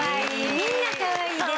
みんなかわいい。